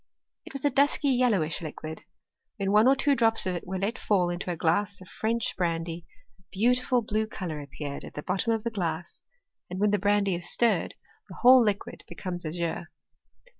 It was a dusky yel lowish liquid. When one or two drops of it were let fall into a glass of French brandy, a beautiful blue colour appeared at the bottom of the glass, and when the brandy is stirred, the whole liquid becomes azure.